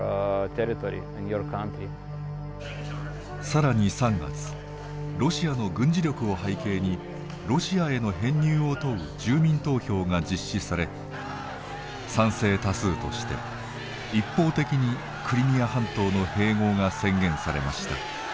更に３月ロシアの軍事力を背景にロシアへの編入を問う住民投票が実施され賛成多数として一方的にクリミア半島の併合が宣言されました。